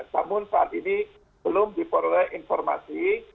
namun saat ini belum diperoleh informasi